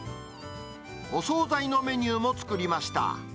お総菜のメニューも作りました。